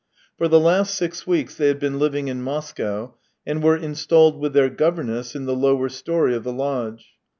For the last six weeks they had been living in Mo ^cow, and were installed with their governess in the lower storey of the lodge.